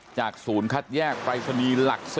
ศูนย์คัดแยกปรายศนีย์หลัก๔